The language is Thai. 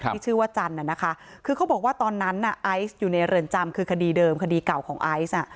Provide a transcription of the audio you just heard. ที่ชื่อว่าจันทร์น่ะนะคะคือเขาบอกว่าตอนนั้นน่ะไอซ์อยู่ในเรือนจำคือคดีเดิมคดีเก่าของไอซ์